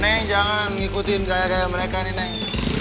neng jangan ngikutin gaya gaya mereka nih neng